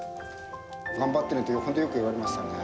頑張ってねって、本当によく言われましたね。